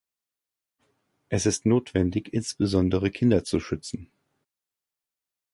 Es ist notwendig, insbesondere Kinder zu schützen.